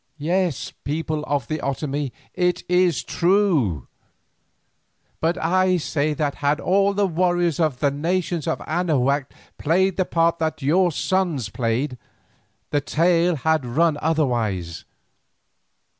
"Yes, people of the Otomie, it is true, but I say that had all the warriors of the nations of Anahuac played the part that your sons played, the tale had run otherwise.